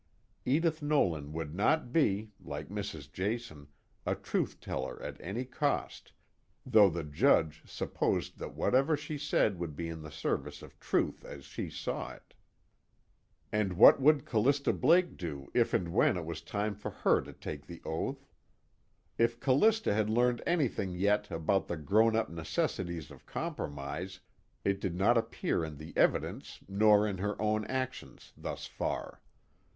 Edith Nolan would not be, like Mrs. Jason, a truth teller at any cost, though the Judge supposed that whatever she said would be in the service of truth as she saw it. And what would Callista Blake do if and when it was time for her to take the oath? If Callista had learned anything yet about the grown up necessities of compromise, it did not appear in the evidence nor in her own actions thus far.